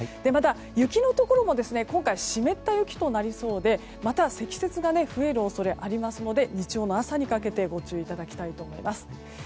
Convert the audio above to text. また、雪のところも今回、湿った雪となりそうでまた積雪が増える恐れがありますので日曜の朝にかけてご注意いただきたいと思います。